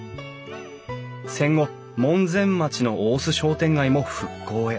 戦後門前町の大須商店街も復興へ。